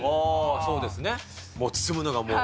そうですね。